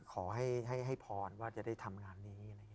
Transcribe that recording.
ขอให้พรว่าจะได้ทำงานนี้